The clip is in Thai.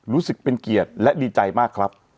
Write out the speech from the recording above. รู้สึกเป็นเกียรติและดีใจมากครับ